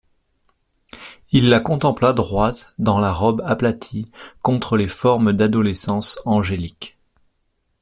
Il la contempla droite dans la robe aplatie contre les formes d'adolescence angélique.